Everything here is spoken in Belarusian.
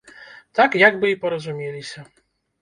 Так як бы і паразумеліся.